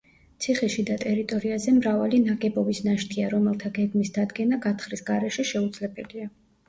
ციხის შიდა ტერიტორიაზე მრავალი ნაგებობის ნაშთია, რომელთა გეგმის დადგენა გათხრის გარეშე შეუძლებელია.